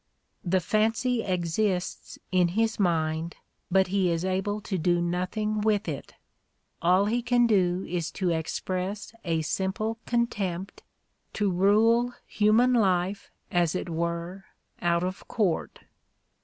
The fancy exists in his mind, but he is able to do nothing vrith it: all he can do is to express a simple contempt, to rule human life as it were out of court.